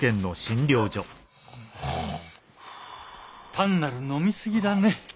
単なる飲み過ぎだね。